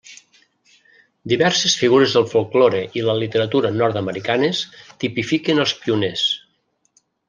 Diverses figures del folklore i la literatura nord-americanes tipifiquen els pioners.